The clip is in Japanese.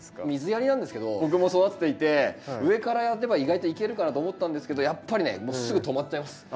水やりなんですけど僕も育てていて上からやれば意外といけるかなと思ったんですけどやっぱりねもうすぐ止まっちゃいます。